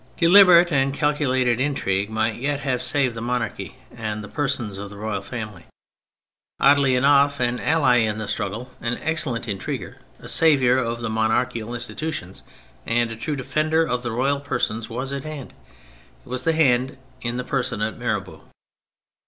Deliberate and calculated intrigue might yet have saved the monarchy and the persons of the royal family. Oddly enough, an ally in the struggle, an excellent intriguer, a saviour of the monarchical institution and a true defender of the royal persons was at hand : it was at hand in the person of Mirabeau.